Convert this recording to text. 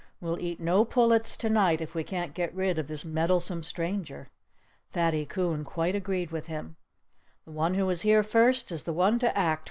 "We'll eat no pullets to night if we can't get rid of this meddlesome stranger." Fatty Coon quite agreed with him. "The one who was here first is the one to act!"